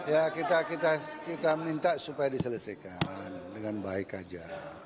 ya kita minta supaya diselesaikan dengan baik aja